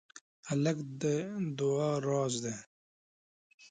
هلک د دعا راز دی.